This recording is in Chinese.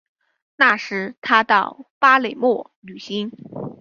那时他到巴勒莫旅行。